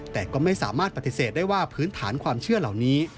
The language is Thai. แต่ก็ไม่สามารถปฏิเสธได้ว่าพื้นฐานความเชื่อเหล่านี้